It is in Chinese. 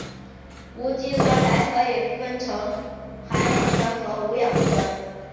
无机酸还可以分成含氧酸和无氧酸。